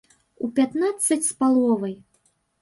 У пятнаццаць з паловай.